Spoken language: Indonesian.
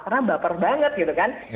karena baper banget gitu kan